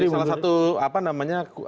bisa menjadi salah satu apa namanya